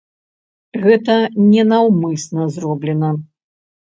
Гэта не наўмысна зроблена.